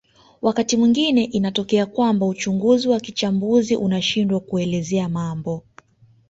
Wakati mwingine inatokea kwamba uchunguzi wa kichambuzi unashindwa kuelezea mambo